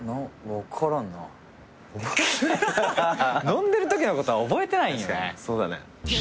飲んでるときのことは覚えてないんよね。